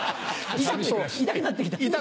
痛くなって来た？